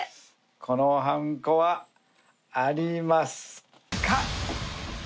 このはんこはありますか？